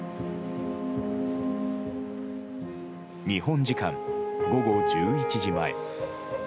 日本時間午後１１時前。